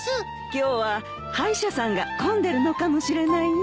今日は歯医者さんが混んでるのかもしれないね。